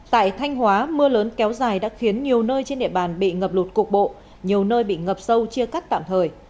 tại thanh hóa mưa lớn kéo dài đã khiến nhiều nơi trên địa bàn bị ngập lụt cục bộ nhiều nơi bị ngập sâu chia cắt tạm thời